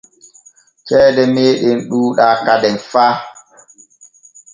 Ceede meeɗen ɗuuɗaa kaden fa.